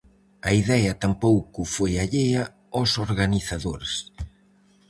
A idea tampouco foi allea aos organizadores.